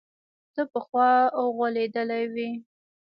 ته پخوا غولېدلى وي.